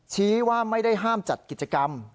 ชี้ว่าไม่ได้ห้ามจัดกิจกรรม